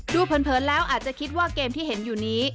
เผินแล้วอาจจะคิดว่าเกมที่เห็นอยู่นี้